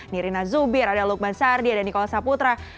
nirina zubir ada lukman sardi ada nikol saputra